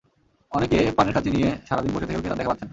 অনেকে পানের খঁাচি নিয়ে সারা দিন বসে থেকেও ক্রেতার দেখা পাচ্ছেন না।